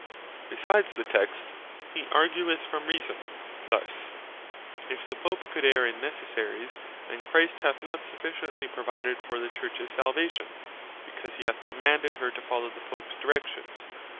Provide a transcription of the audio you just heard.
Besides the Text, he argueth from Reason, thus, If the Pope could erre in necessaries, then Christ hath not sufficiently provided for the Churches Salvation; because he hath commanded her to follow the Popes directions.